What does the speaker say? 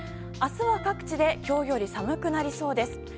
明日は各地で今日より寒くなりそうです。